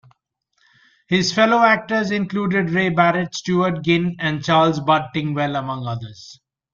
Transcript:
His fellow actors included Ray Barrett, Stewart Ginn and Charles "Bud" Tingwell, among others.